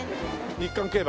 『日刊競馬』？